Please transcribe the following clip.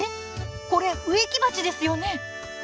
これ植木鉢ですよね？